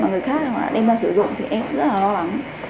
mà người khác họ đã đem ra sử dụng thì em cũng rất là lo lắng